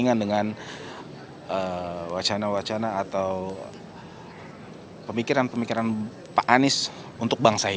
hai dalam pemilihan presiden di dua ribu dua puluh empat